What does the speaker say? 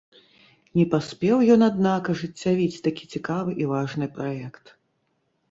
Не паспеў ён, аднак, ажыццявіць такі цікавы і важны праект.